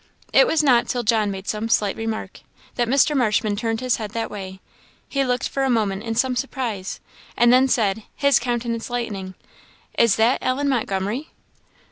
It was not till John made some slight remark, that Mr. Marshman turned his head that way; he looked for a moment in some surprise, and then said, his countenance lightening, "Is that Ellen Montgomery?"